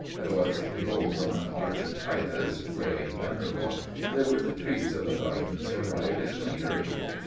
There was the old Roman Arch of Titus, gray and venerable. There were the trees of the gardens in riotous greenery.